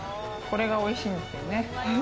これがおいしいんですよね。